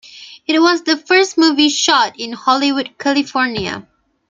It was the first movie shot in Hollywood, California.